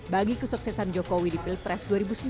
bagi kesuksesan jokowi di pilpres dua ribu sembilan belas